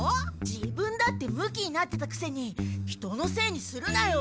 自分だってムキになってたくせに人のせいにするなよ。